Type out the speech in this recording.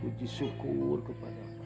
ku disyukur kepada ibu